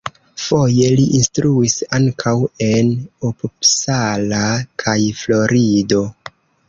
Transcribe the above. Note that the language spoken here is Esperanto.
Foje li instruis ankaŭ en Uppsala kaj Florido.